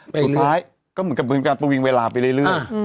สุดท้ายก็เหมือนกับเป็นการประวิงเวลาไปเรื่อย